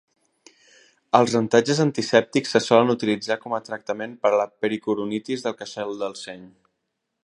Els rentatges antisèptics se solen utilitzar com a tractament per a la pericoronitis del queixal del seny.